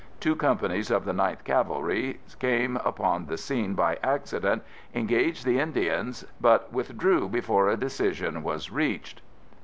Two companies of the 9th Cavalry came upon the scene by accident, engaged the Indians but withdrew before a decision was reached.